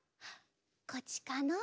こっちかの？